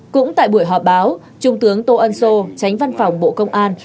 cũng tại buổi họp báo trung tướng tô ân sô tránh văn phòng bộ công an